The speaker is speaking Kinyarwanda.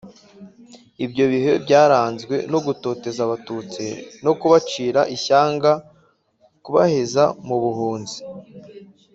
Ibyo bihe byaranzwe no gutoteza abatutsi no kubacira ishyanga kubaheza mu buhunzi